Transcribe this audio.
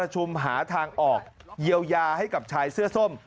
มหาทางออกเยียวยาให้กับชายเสื้อส้ม